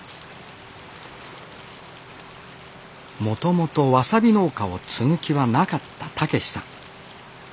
もともとわさび農家を継ぐ気はなかった健志さん。